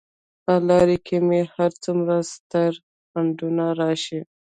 که په لار کې مې هر څومره ستر خنډونه راشي.